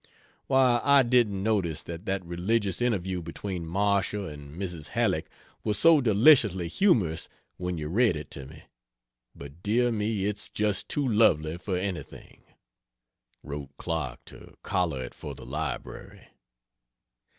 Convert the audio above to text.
Why I didn't notice that that religious interview between Marcia and Mrs. Halleck was so deliciously humorous when you read it to me but dear me, it's just too lovely for anything. (Wrote Clark to collar it for the "Library.")